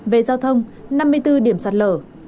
về giao thông năm mươi bốn điểm sạt lở